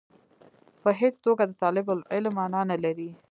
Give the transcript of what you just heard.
په هېڅ توګه د طالب العلم معنا نه لري.